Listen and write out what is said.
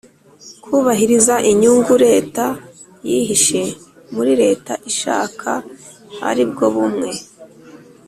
kubahiriza inyungu leta yihishe muri leta ishaka aribwo bumwe